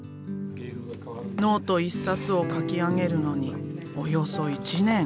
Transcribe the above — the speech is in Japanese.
ノート１冊を描き上げるのにおよそ１年。